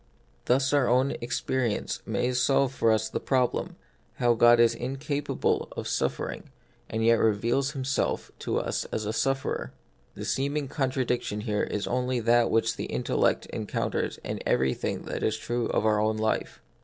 Thus our own experience may solve for us the problem, how God is incapable of suffer The Mystery of Pain, 41 ing, and yet reveals Himself to us as a sufferer. The seeming contradiction here is only that which the intellect encounters in everything that is true of our own life.